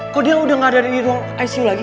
kok dia udah gak ada di ruang icu lagi